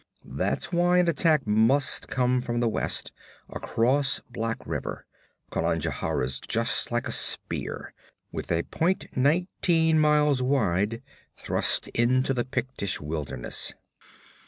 That's why an attack must come from the west, across Black River. Conajohara's just like a spear, with a point nineteen miles wide, thrust into the Pictish wilderness.'